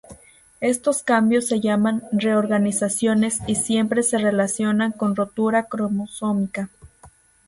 Estos cambios se llaman reorganizaciones y siempre se relacionan con rotura cromosómica.